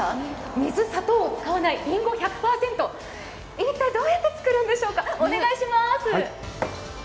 水、砂糖を使わない、りんご１００％、一体どうやって作るんでしょうか、お願いします。